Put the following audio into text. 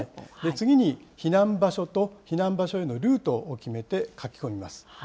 次に避難場所と避難場所へのルートを決めて書き込みます。